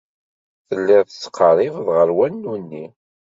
Telliḍ tettqerribeḍ ɣer wanu-nni.